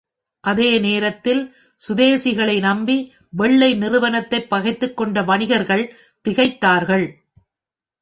அதே நேரத்தில் சுதேசிகளை நம்பி வெள்ளை நிறுவனத்தைப் பகைத்துக் கொண்ட வணிகர்கள் திகைத்தார்கள்.